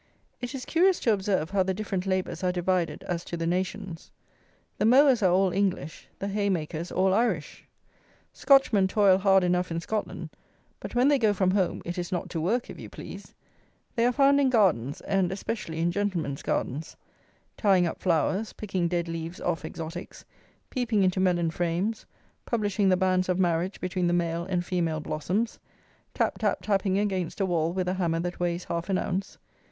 It is curious to observe how the different labours are divided as to the nations. The mowers are all English; the haymakers all Irish. Scotchmen toil hard enough in Scotland; but when they go from home it is not to work, if you please. They are found in gardens, and especially in gentlemen's gardens. Tying up flowers, picking dead leaves off exotics, peeping into melon frames, publishing the banns of marriage between the "male" and "female" blossoms, tap tap tapping against a wall with a hammer that weighs half an ounce.